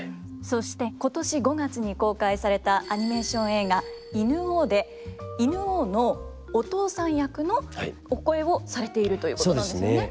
そして今年５月に公開されたアニメーション映画「犬王」で犬王のお父さん役のお声をされているということなんですよね。